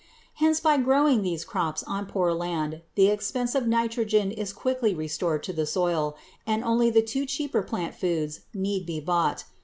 Hence by growing these crops on poor land the expensive nitrogen is quickly restored to the soil, and only the two cheaper plant foods need be bought.